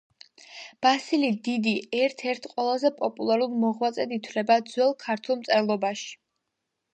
ბასილი დიდი ერთ-ერთ ყველაზე პოპულარულ მოღვაწედ ითვლება ძველ ქართულ მწერლობაში.